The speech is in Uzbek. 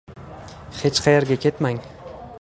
Hech qayerga ketmang